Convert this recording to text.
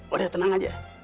udah tenang aja